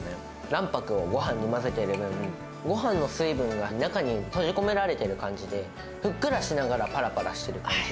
卵白をごはんに混ぜてるので、ごはんの水分が中に閉じ込められてる感じで、ふっくらしながらぱらぱらしてる感じ。